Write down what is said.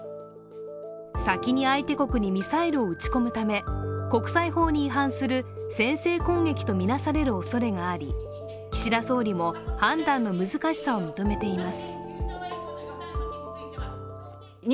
先に相手国にミサイルを撃ち込むため、国際法に違反する先制攻撃とみなされるおそれがあり、岸田総理も判断の難しさを認めています。